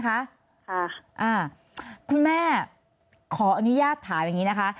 คุณแม่ขออนุญาตถามยังงี้นะค่ะ